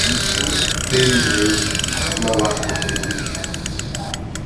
Felizmente, não há comprimidos.